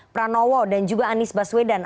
pranowo dan juga anies baswedan